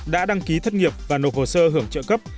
đã đăng ký thất nghiệp và nộp hồ sơ hưởng trợ cấp